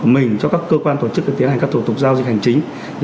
mình cho các cơ quan tổ chức tiến hành các thủ tục giao dịch hành chính